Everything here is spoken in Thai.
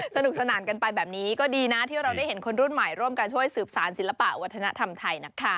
สนุกสนานกันไปแบบนี้ก็ดีนะที่เราได้เห็นคนรุ่นใหม่ร่วมกันช่วยสืบสารศิลปะวัฒนธรรมไทยนะคะ